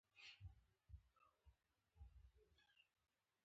خدای دې دا ناوې په دوی پورې زرغونه کړي.